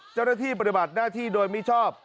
เจ้าหน้าที่ปฏิบัติหน้าที่โดยมิชอบ